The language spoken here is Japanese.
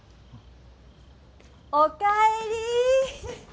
おかえり。